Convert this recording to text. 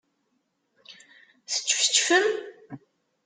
Teččefčfem?